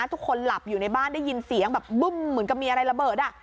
ทุกคนหลับอยู่ในบ้านได้ยินเสียงแบบบึ้มเหมือนกับมีอะไรระเบิด